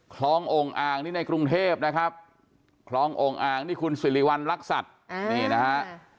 คลององค์อ่างนี่ในกรุงเทพนะครับคลององค์อ่างนี่คุณสิริวัณรักษัตริย์นี่นะฮะ